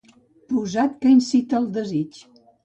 Posat que incita al desig.